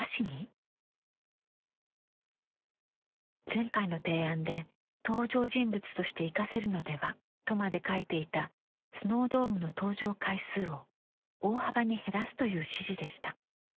前回の提案で「登場人物として生かせるのでは？」とまで書いていたスノードームの登場回数を大幅に減らすという指示でした。